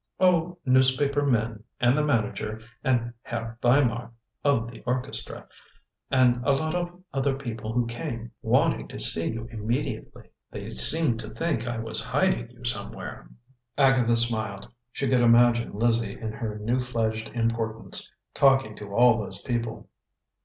"Oh, newspaper men, and the manager, and Herr Weimar, of the orchestra, and a lot of other people who came, wanting to see you immediately. They seemed to think I was hiding you somewhere." Agatha smiled. She could imagine Lizzie in her new fledged importance, talking to all those people.